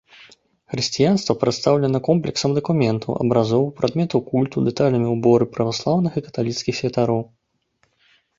Хрысціянства прадстаўлена комплексам дакументаў, абразоў, прадметаў культу, дэталямі ўборы праваслаўных і каталіцкіх святароў.